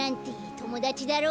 ともだちだろ。